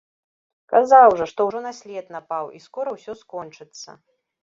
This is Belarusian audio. Казаў жа, што ўжо на след напаў, і скора ўсё скончыцца.